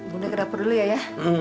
bunda kedaper dulu ya ya